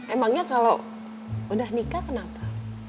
emangnya kalau udah nikah kenapa